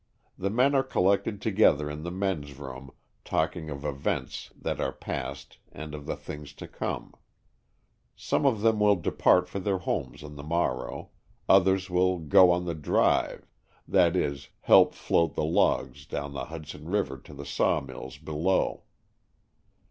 The men are collected together in the "men's room'' talking of events that are past and of the things to come. Some of 116 Stories from the Adirondacks. them will depart for their homes on the morrow, others will "go on the drive," i.e. t help float the logs down the Hud son River to the sawmills below.